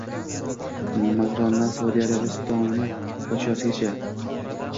Makrondan Saudiya Arabistoni podshohigacha